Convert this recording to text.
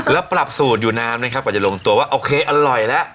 แล้วปรับสูตรอยู่นานไหมครับกว่าจะลงตัวว่าโอเคอร่อยแล้ว